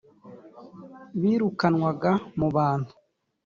birukanwaga mu bantu